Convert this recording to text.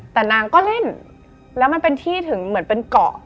แต่นางก็เล่นแล้วมันเป็นที่ถึงเหมือนเป็นเกาะ